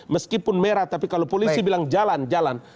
meskipun merah tapi kalau polisi bilang jalan jalan